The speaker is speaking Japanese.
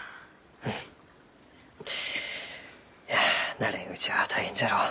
いや慣れんうちは大変じゃろう？